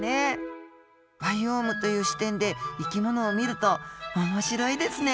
バイオームという視点で生き物を見ると面白いですね。